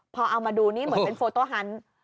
พอเอามาดูนี่เหมือนเป็นโฟโต้ฮันต์